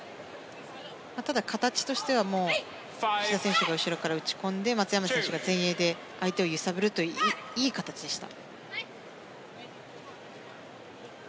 ただ、形としては志田選手が後ろから打ち込んで松山選手が前衛で相手を揺さぶるといういい形でした。